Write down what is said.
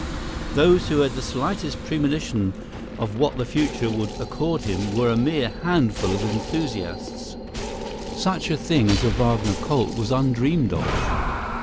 Those who had the slightest premonition of what the future would accord him were a mere handful of enthusiasts. Such a thing as a Wagner cult was undreamed of.